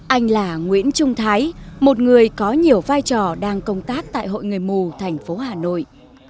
anh là nguyễn trung thái một người có nhiều vai trò đang công tác tại hội người mù thành phố hà nội